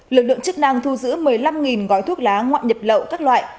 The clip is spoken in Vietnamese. lực lượng chức năng thu giữ một mươi năm gói thuốc lá ngoại nhập lậu các loại